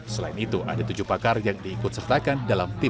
selain itu ada tujuh pakar yang diikut sertakan dalam tim